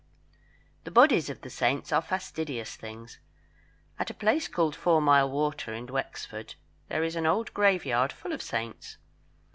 The bodies of saints are fastidious things. At a place called Four mile Water, in Wexford, there is an old graveyard full of saints.